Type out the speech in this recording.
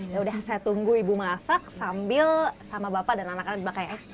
ya udah saya tunggu ibu masak sambil sama bapak dan anak anak di belakang ya